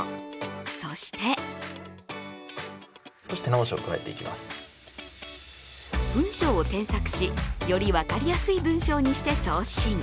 そして文章を添削し、より分かりやすい文章にして送信。